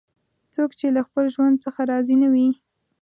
څوک چې له خپل ژوند څخه راضي نه وي